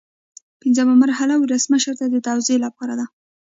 پنځمه مرحله ولسمشر ته د توشیح لپاره ده.